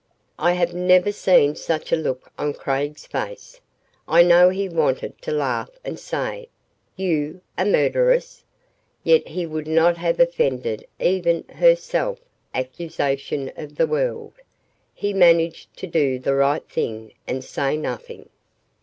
I have never seen such a look on Craig's face. I know he wanted to laugh and say, "YOU a murderess?" yet he would not have offended even her self accusation for the world. He managed to do the right thing and say nothing.